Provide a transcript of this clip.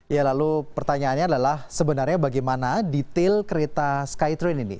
ya lalu pertanyaannya adalah sebenarnya bagaimana detail kereta skytrain ini